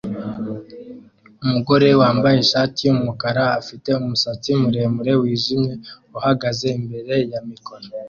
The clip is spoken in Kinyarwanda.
Umugore wambaye ishati yumukara afite umusatsi muremure wijimye uhagaze imbere ya mikoro